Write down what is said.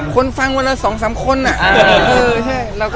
คนฟังวันนี้๒๓คนอ่ะ